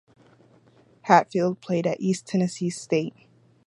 Hatfield played at East Tennessee State.